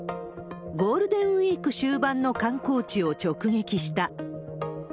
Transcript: ゴールデンウィーク終盤の観光地を直撃した。